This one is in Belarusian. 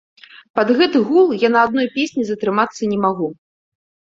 Пад гэты гул я на адной песні затрымацца не магу.